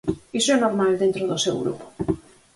Iso é normal dentro do seu grupo.